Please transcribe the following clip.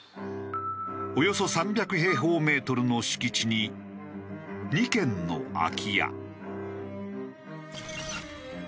およそ３００平方メートルの敷地に２軒の空き家。